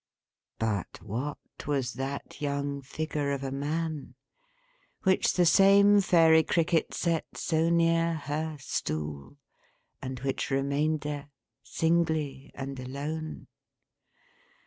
But what was that young figure of a man, which the same Fairy Cricket set so near Her stool, and which remained there, singly and alone?